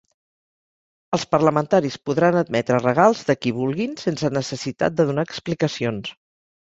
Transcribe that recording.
Els parlamentaris podran admetre regals de qui vulguin sense necessitat de donar explicacions